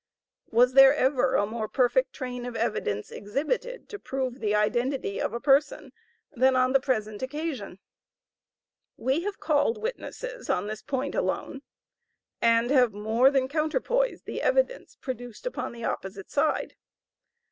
Was there ever a more perfect train of evidence exhibited to prove the identity of a person, than on the present occasion? We have called witnesses on this point alone, and have more than counterpoised the evidence produced upon the opposite side.